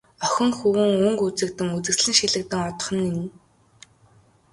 Охин хөвүүн өнгө үзэгдэн, үзэсгэлэн шилэгдэн одох нь энэ.